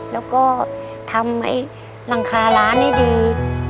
แล้วก็ทำไอ้หลังคาล้านให้ดี